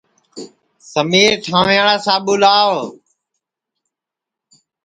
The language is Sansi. سمیر ٹھانٚوئیاڑا ساٻو لئو